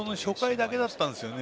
初回だけだったんですよね。